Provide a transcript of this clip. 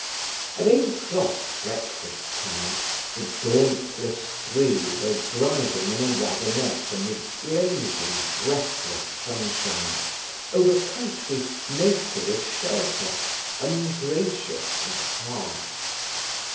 At eight o'clock, breakfast time, the "dauntless three" were driving in a waggonette amid blazing, breathless sunshine, over country naked of shelter, ungracious and harsh.